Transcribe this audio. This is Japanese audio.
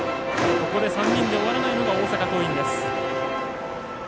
ここで３人で終わらないのが大阪桐蔭です。